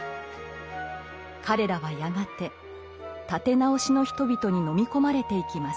彼らはやがて「立て直し」の人々に飲み込まれていきます。